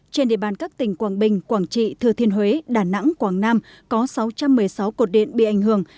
trên địa bàn các tỉnh quảng bình quảng trị thừa thiên huế đà nẵng quảng nam có sáu trăm một mươi sáu cột điện bị ảnh hưởng